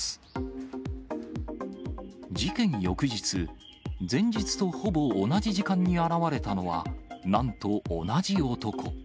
翌日、前日とほぼ同じ時間に現れたのは、なんと同じ男。